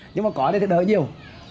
nhưng mà có đây thì đỡ nhiều